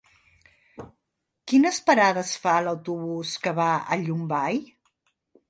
Quines parades fa l'autobús que va a Llombai?